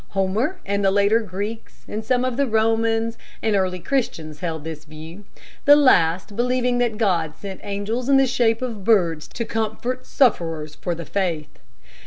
Homer and the later Greeks, some of the Romans and early Christians held this view the last believing that God sent angels in the shape of birds to comfort sufferers for the faith.